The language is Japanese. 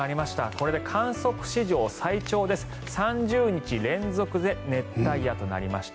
これで観測史上最長です３０日連続で熱帯夜となりました。